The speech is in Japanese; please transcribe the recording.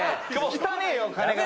汚えよ金が。